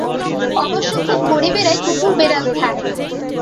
অবশ্য খুব গরীবেরাই কুকুর-বেড়াল খায়।